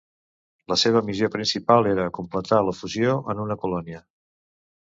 La seva missió principal era completar la fusió en una colònia.